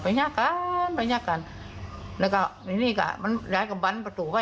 แล้วจากโทรศัพท์เพราะกล้องวงจอลเปลี่ยนพร้อมที่จะกริกภาพพูดนะ